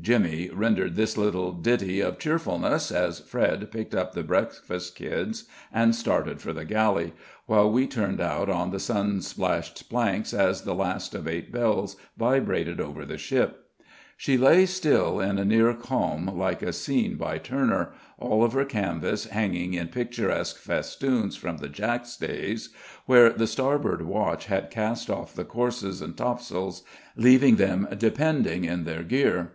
Jimmy rendered this little ditty of cheerfulness as Fred picked up the breakfast kids and started for the galley, while we turned out on the sun splashed planks as the last of eight bells vibrated over the ship. She lay still in a near calm like a scene by Turner, all of her canvas hanging in picturesque festoons from the jackstays, where the starboard watch had cast off the courses and tops'ls, leaving them depending in their gear.